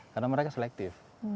karena mereka selektif